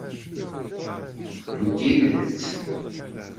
N tidet?